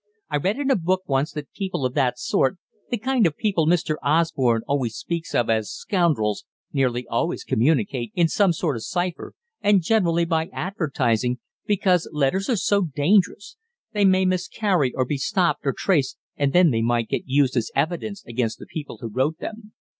I read in a book once that people of that sort, the kind of people Mr. Osborne always speaks of as 'scoundrels,' nearly always communicate in some sort of cypher, and generally by advertising, because letters are so dangerous they may miscarry, or be stopped, or traced, and then they might get used as evidence against the people who wrote them.